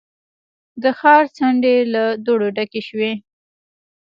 د ښار څنډې له دوړو ډکې شوې.